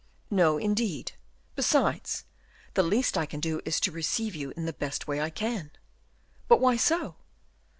"No, indeed. Besides, the least I can do is to receive you in the best way I can." "But why so?"